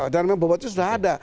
dan memang bobotnya sudah ada